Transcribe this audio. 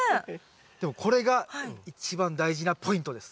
でもこれが一番大事なポイントです。